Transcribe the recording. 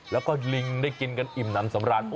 แล้วก็ลิงได้กินกันอิ่มน้ำสำราญ